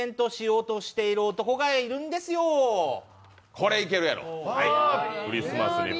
これいけるやろ。